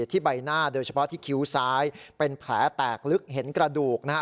ใบหน้าโดยเฉพาะที่คิ้วซ้ายเป็นแผลแตกลึกเห็นกระดูกนะฮะ